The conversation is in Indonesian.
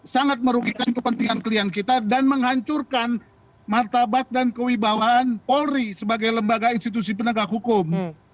sangat merugikan kepentingan klien kita dan menghancurkan martabat dan kewibawaan polri sebagai lembaga institusi penegak hukum